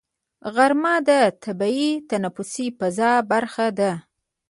غرمه د طبیعي تنفسي فضا برخه ده